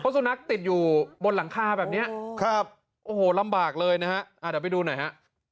สุนัขติดอยู่บนหลังคาแบบนี้ครับโอ้โหลำบากเลยนะฮะเดี๋ยวไปดูหน่อยฮะ